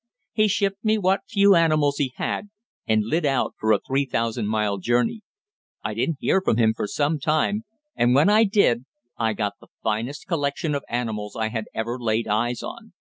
"He shipped me what few animals he had, and lit out for a three thousand mile journey. I didn't hear from him for some time, and, when I did, I got the finest collection of animals I had ever laid eyes on.